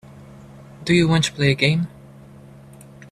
Do you want to play a game.